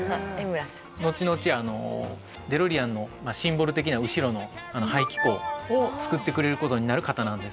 のちのちデロリアンのシンボル的な後ろの排気口を作ってくれる事になる方なんです。